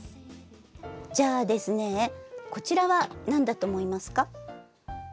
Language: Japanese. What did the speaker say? じゃあですねこちらは何だと思いますか？